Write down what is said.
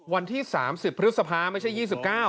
วันที่๓๐พฤษภาไม่ใช่๒๙